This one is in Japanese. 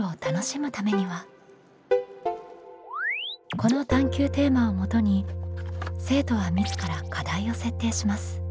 この探究テーマをもとに生徒は自ら課題を設定します。